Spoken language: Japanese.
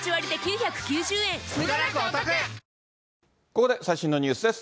ここで最新のニュースです。